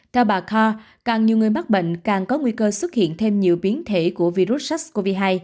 theo bà kho càng nhiều người mắc bệnh càng có nguy cơ xuất hiện thêm nhiều biến thể của virus sars cov hai